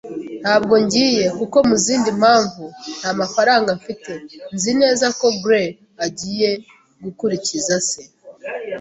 Ntabwo ngiye, kuko, mu zindi mpamvu, nta mafaranga mfite. Nzi neza ko Greg agiye gukurikiza se.